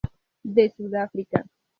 De Sudáfrica.